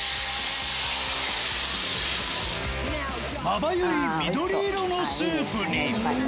まばゆい緑色のスープに